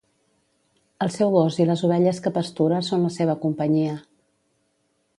El seu gos i les ovelles que pastura són la seva companyia.